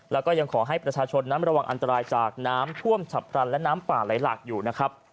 แล้วก็ยังขอให้ประชาชนนั้นระวังอันตรายจากน้ำท่วมฉับพลันและน้ำป่าไหลหลักอยู่นะครับ